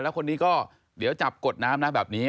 แล้วคนนี้ก็เดี๋ยวจับกดน้ำนะแบบนี้